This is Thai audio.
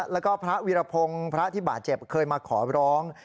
แล้วก็พระวิรพงศ์พระที่บาดเจ็บเคยมาขอร้อง